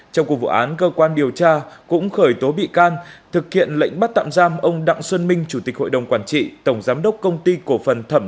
trong cuộc vụ án cơ quan điều tra cũng khởi tố bị can thực hiện lệnh bắt tạm giam ông đặng xuân minh